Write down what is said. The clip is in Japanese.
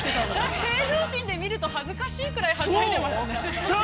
平常心で見ると、恥ずかしいぐらい、はしゃいでますね。